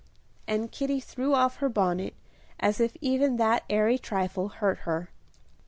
And Kitty threw off her bonnet, as if even that airy trifle hurt her.